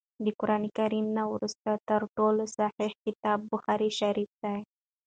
د قران کريم نه وروسته تر ټولو صحيح کتاب بخاري شريف دی